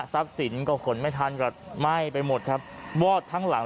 สินก็ขนไม่ทันกับไหม้ไปหมดครับวอดทั้งหลัง